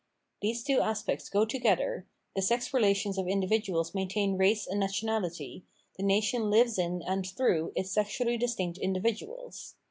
These two aspects go together ; the sex relations of individuals maintain race and nationality, the nation lives in and through its sexually distinct individuals.